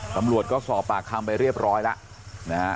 ตำรวจก็สอบปากคำไปเรียบร้อยแล้วนะฮะ